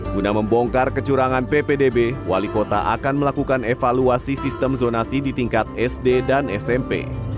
guna membongkar kecurangan ppdb wali kota akan melakukan evaluasi sistem zonasi di tingkat sd dan smp